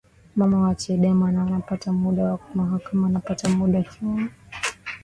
mama wa Chadema na napata muda wa mahakamani Napata muda wa kinywaji Mimi nakunywa